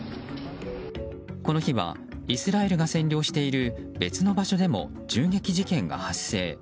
この日はイスラエルが占領している別の場所でも銃撃事件が発生。